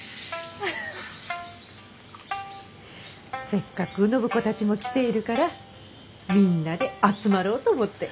せっかく暢子たちも来ているからみんなで集まろうと思って。